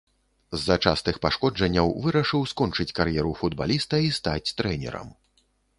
З-за частых пашкоджанняў вырашыў скончыць кар'еру футбаліста і стаць трэнерам.